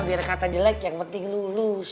biar kata jelek yang penting lulus